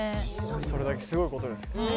それだけすごいことです